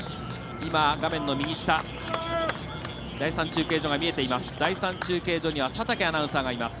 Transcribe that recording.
画面の右下、第３中継所が見えています。